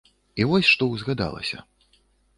І вось што ўзгадалася.